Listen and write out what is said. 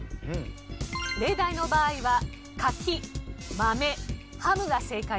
例題の場合は柿マメハムが正解です。